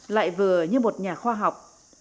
lại vừa như một nhà khoa học